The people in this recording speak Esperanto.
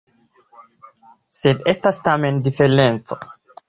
Sed estas tamen diferenco.